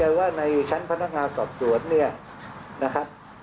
หลักทรัพย์นี้ผมเข้าใจว่าในชั้นพนักงานสอบสวนนี้นะครับ